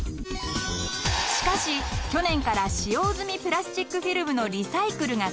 ［しかし去年から使用済みプラスチックフィルムのリサイクルがスタート］